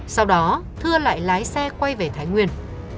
sau đó thưa lại lái xe quay về thái nguyên